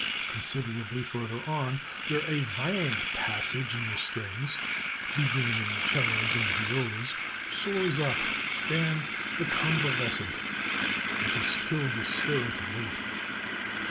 "Considerably further on, where a violent passage in the strings (beginning in the 'cellos and violas) soars up, ... stands, 'THE CONVALESCENT.'... 'Let us kill the Spirit of Weight!...'